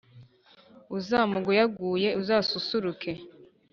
Uzamuguyaguye, azasusurukeee